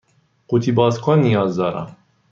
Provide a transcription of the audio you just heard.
قوطی باز کن نیاز دارم.